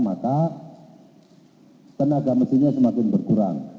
maka tenaga mesinnya semakin berkurang